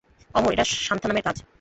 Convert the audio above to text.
অমর, এটা সান্থানামের কাজ।